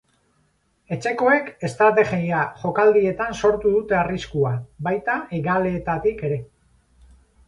Etxekoek estrategia jokaldietan sortu dute arriskua, baita hegaleetatik ere.